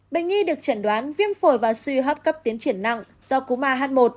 bệnh nhi được chẳng đoán viêm phổi và suy hấp cấp tiến triển nặng do cuma h một